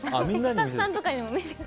スタッフさんとかにも見せてて。